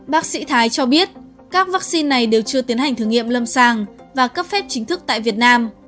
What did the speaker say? bác sĩ thái cho biết các vaccine này đều chưa tiến hành thử nghiệm lâm sàng và cấp phép chính thức tại việt nam